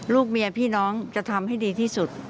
ลูกเมียพี่น้องจะทำให้ดีที่สุด